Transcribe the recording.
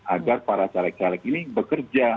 agar para caleg caleg ini bekerja